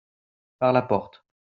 par la porte.